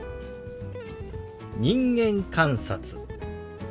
「人間観察」。